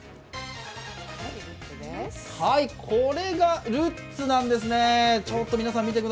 これがルッツなんですね。